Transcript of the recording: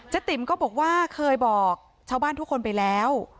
ติ๋มก็บอกว่าเคยบอกชาวบ้านทุกคนไปแล้ว